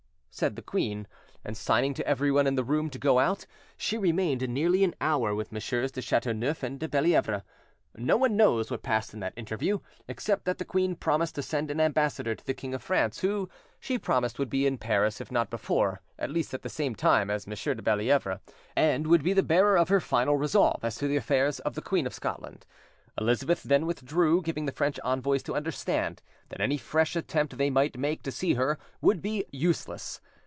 said the queen, and signing to everyone in the room to go out, she remained nearly an hour with MM. de Chateauneuf and de Bellievre. No one knows what passed in that interview, except that the queen promised to send an ambassador to the King of France, who, she promised, would be in Paris, if not before, at least at the same time as M. de Bellievre, and would be the bearer of her final resolve as to the affairs of the Queen of Scotland; Elizabeth then withdrew, giving the French envoys to understand that any fresh attempt they might make to see her would be useless.